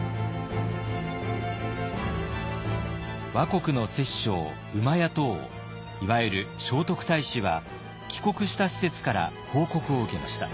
倭国の摂政厩戸王いわゆる聖徳太子は帰国した使節から報告を受けました。